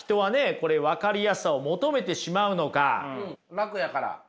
楽やから。